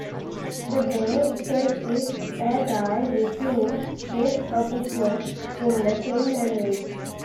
The bay itself is Allagai, which means "nest of snakes" in the same language.